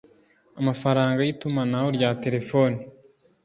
amafaranga y itumanaho rya telephone